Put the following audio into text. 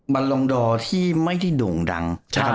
บัลลองดอร์ที่ไม่ได้โด่งดัง